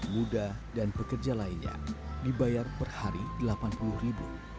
muda dan pekerja lainnya dibayar per hari rp delapan puluh ribu